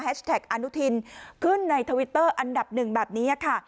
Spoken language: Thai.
อนุทินขึ้นในทวิตเตอร์อันดับหนึ่งแบบนี้ค่ะ